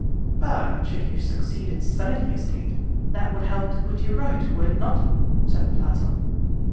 "But, should you succeed in selling the estate, that would help to put you right, would it not?" said Platon.